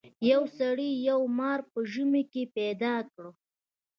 یو سړي یو مار په ژمي کې پیدا کړ.